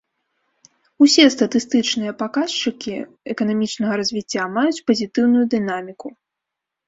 Усе статыстычныя паказчыкі эканамічнага развіцця маюць пазітыўную дынаміку.